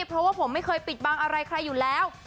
เพราะว่าผมไม่เคยปิดบังอะไรใครอยู่แล้ว